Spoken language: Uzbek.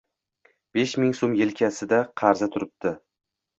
Besh ming so‘m yelkasida qarzi turibdi.